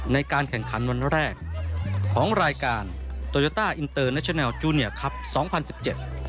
ในการแข่งขันวันแรกของรายการโตโยต้าอินเตอร์เนชแลลจูเนียครับสองพันสิบเจ็ด